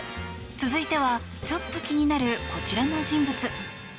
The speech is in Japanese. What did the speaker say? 続いてはちょっと気になるこちらの人物。